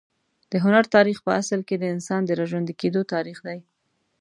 د هنر تاریخ په اصل کې د انسان د راژوندي کېدو تاریخ دی.